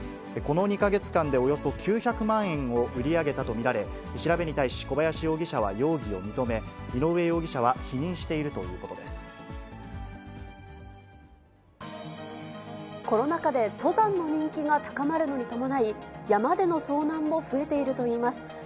この２か月間でおよそ９００万円を売り上げたと見られ、調べに対し小林容疑者は容疑を認め、井上容疑者は否認しているというコロナ禍で登山の人気が高まるのに伴い、山での遭難も増えているといいます。